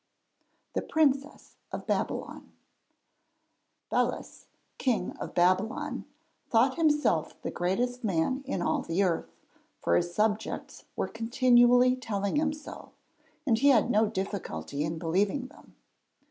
THE PRINCESS OF BABYLON Belus, King of Babylon, thought himself the greatest man in all the earth, for his subjects were continually telling him so and he had no difficulty in believing them.